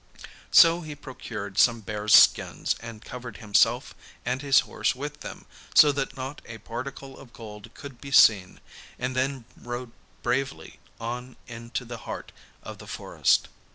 So he procured some bears' skins, and covered himself and his horse with them, so that not a particle of gold could be seen, and then rode bravely on into the heart of the forest.